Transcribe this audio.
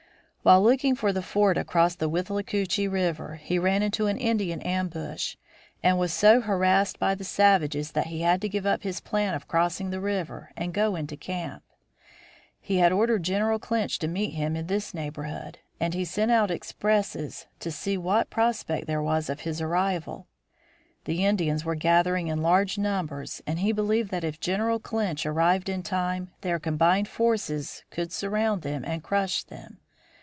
While looking for the ford across the Withlacoochee River he ran into an Indian ambush and was so harassed by the savages that he had to give up his plan of crossing the river and go into camp. He had ordered General Clinch to meet him in this neighborhood, and he sent out expresses to see what prospect there was of his arrival. The Indians were gathering in large numbers, and he believed that if General Clinch arrived in time their combined forces could surround them and crush them.